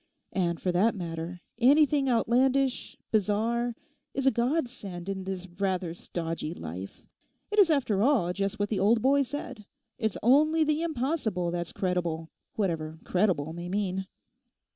And for that matter, anything outlandish, bizarre, is a godsend in this rather stodgy life. It is after all just what the old boy said—it's only the impossible that's credible; whatever credible may mean....